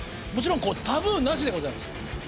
もちろんタブーなしでございます。